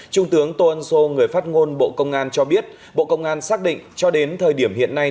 trung tướng tô ân sô người phát ngôn bộ công an cho biết bộ công an xác định cho đến thời điểm hiện nay